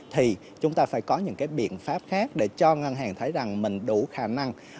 thì chúng ta phải có những cái biện pháp khác để cho ngân hàng thấy rằng mình đủ khả năng